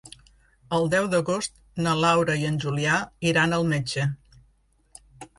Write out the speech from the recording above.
El deu d'agost na Laura i en Julià iran al metge.